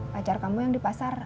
pacar kamu yang di pasar